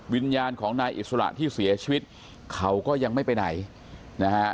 วิญญาณของนายอิสระที่เสียชีวิตเขาก็ยังไม่ไปไหนนะฮะ